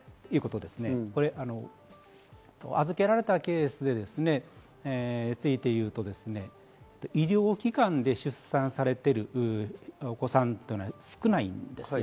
これは預けられたケースで医療機関で出産されているお子さんというのは少ないんです。